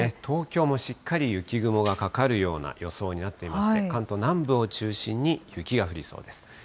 東京もしっかり雪雲がかかるような予想になっていまして、関東南部を中心に雪が降りそうです。